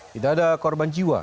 tidak ada korban jiwa